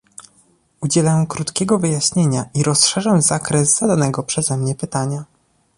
Udzielę krótkiego wyjaśnienia i rozszerzę zakres zadanego przeze mnie pytania